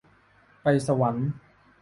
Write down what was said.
ไปสวรรค์